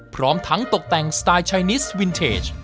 พร้อมทั้งตกแต่งสไตล์ชายนิสวินเทจ